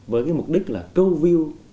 với cái mục đích là câu view